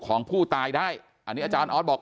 ของผู้ตายได้อันนี้อาจารย์ออสบอก